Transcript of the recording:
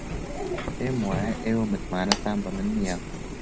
پێم وایە ئێوە متمانەتان بە من نییە.